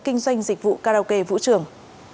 kinh doanh dịch vụ karaoke vũ trường